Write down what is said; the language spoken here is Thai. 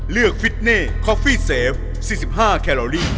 ฟิตเน่คอฟฟี่เซฟ๔๕แคลอรี่